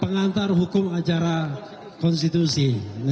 pengantar hukum acara konstitusi